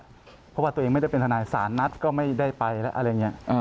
เพราะว่าตัวเองไม่ได้เป็นทนายศาลนัดก็ไม่ได้ไปแล้วอะไรอย่างนี้